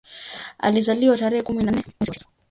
Alizaliwa tarehe kumi na nane mwezi wa tisa